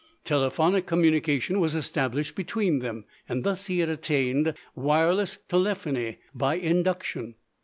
Telephonic communication was established between them, and thus he had attained wireless telephony by induction.